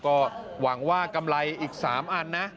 ก็หวังว่ากำไรอีก๓อันนะ